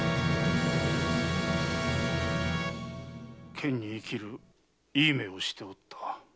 剣に生きるいい目をしておった。